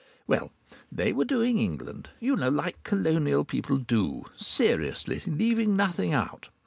Well, they were doing England you know, like Colonial people do seriously, leaving nothing out.